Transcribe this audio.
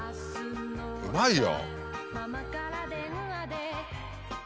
うまいよ。